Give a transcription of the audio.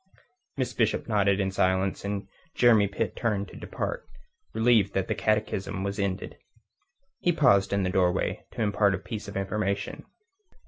Miss Bishop nodded in silence, and Jeremy Pitt turned to depart, relieved that the catechism was ended. He paused in the doorway to impart a piece of information.